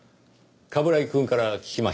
冠城くんから聞きました。